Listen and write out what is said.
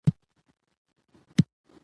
پوره خوب د ذهن او بدن د ارامتیا لپاره مهم دی.